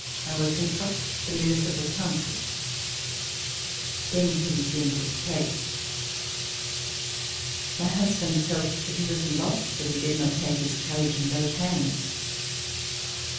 I will consult the Municipal Council." Then he resumed his place, C148] FLICillT TO l^ORDEAUX My husband felt that he was lost if he did not take his courage in both hands.